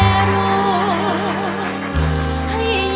มันคือการรู้ลาย